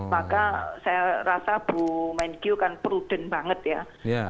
maka saya rasa bu menkyu kan prudent banget ya